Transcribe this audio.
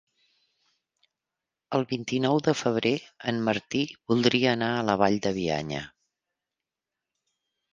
El vint-i-nou de febrer en Martí voldria anar a la Vall de Bianya.